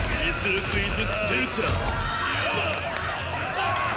あっ！